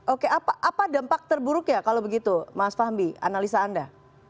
oke apa dampak terburuknya kalau begitu mas fahmi analisa anda